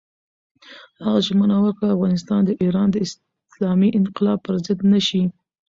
هغه ژمنه وکړه، افغانستان د ایران د اسلامي انقلاب پر ضد نه شي.